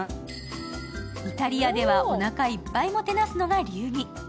イタリアではおなかいっぱいもてなすのが流儀。